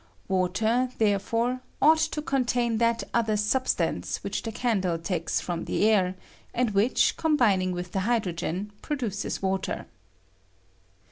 Water, there fore, ought to contain that other substance which the candle takes irom the air, and which, combining with the hydrogen, produces water.